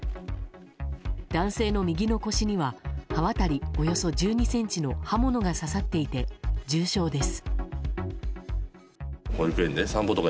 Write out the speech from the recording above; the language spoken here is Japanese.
男性の右の腰には刃渡りおよそ１２ｃｍの刃物が刺さっていて重傷です。